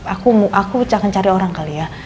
aku aku akan cari orang kali ya